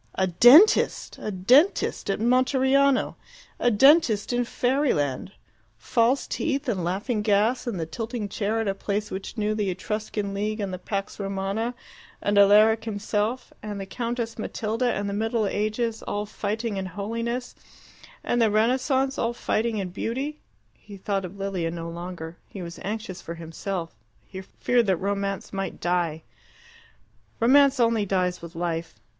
A dentist! A dentist at Monteriano. A dentist in fairyland! False teeth and laughing gas and the tilting chair at a place which knew the Etruscan League, and the Pax Romana, and Alaric himself, and the Countess Matilda, and the Middle Ages, all fighting and holiness, and the Renaissance, all fighting and beauty! He thought of Lilia no longer. He was anxious for himself: he feared that Romance might die. Romance only dies with life.